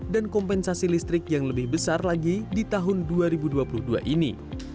dan kompensasi listrik yang lebih besar lagi di tahun dua ribu dua puluh dua ini